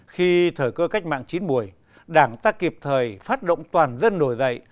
trong thời cơ cách mạng chín bùi đảng ta kịp thời phát động toàn dân nổi dậy